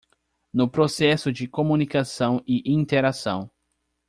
No processo de comunicação e interação